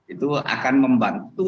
itu akan membantu